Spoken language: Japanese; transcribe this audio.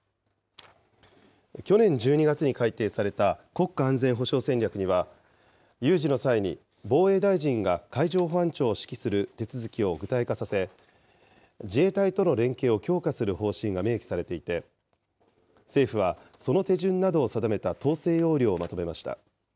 去年１２月に改定された国家安全保障戦略には、有事の際に防衛大臣が海上保安庁を指揮する手続きを具体化させ、自衛隊との連携を強化する方針が明記されていて、政府はその手順などを定めた統制要領をまとめました。